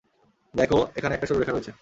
দেখো, এখানে একটা সরু রেখা রয়েছে।